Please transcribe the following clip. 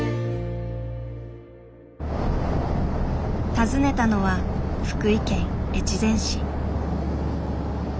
訪ねたのは福井県越前市。